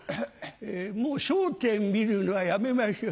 もう『笑点』見るのはやめましょう。